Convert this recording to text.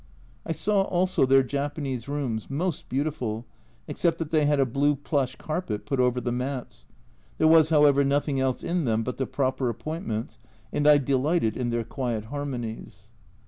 I saw also their Japanese rooms, most beautiful, except that they had a blue plush carpet put over the mats ; there was, however, nothing else in them but the proper appointments and I delighted in their quiet harmonies.